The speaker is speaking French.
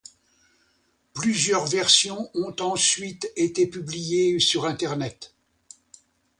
Plusieurs versions ont ensuite été publiées sur Internet.